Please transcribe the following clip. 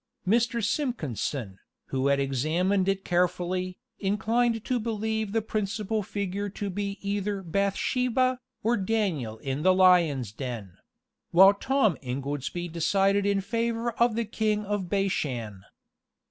Mr. Simpkinson, who had examined it carefully, inclined to believe the principal figure to be either Bathsheba, or Daniel in the lions' den; while Tom Ingoldsby decided in favor of the king of Bashan.